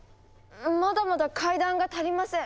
まだまだ階段が足りません。